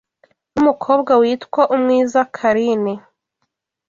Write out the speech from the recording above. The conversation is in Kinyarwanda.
n’umukobwa witwa Umwiza Carine